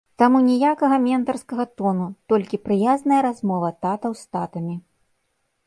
Таму ніякага ментарскага тону, толькі прыязная размова татаў з татамі.